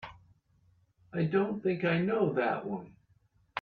I don't think I know that one.